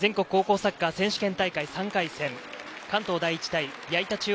全国高校サッカー選手権大会３回戦、関東第一対矢板